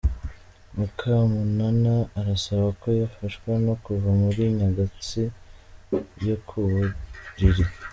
Mukamunana arasaba ko yafashwa no kuva muri nyakatsi yo ku buriri.